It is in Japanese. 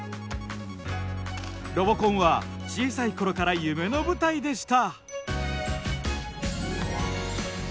ロボコンは小さい頃から夢の舞台でした。